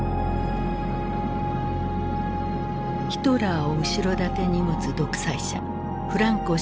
ヒトラーを後ろ盾に持つ独裁者フランコ